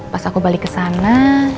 pas aku balik kesana